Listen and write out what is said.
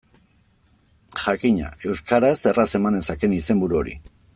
Jakina, euskaraz erraz eman nezakeen izenburu hori.